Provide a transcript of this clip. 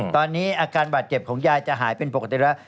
ตอนนี้อาการบาดเจ็บของยายจะหายเป็นปกติแล้ว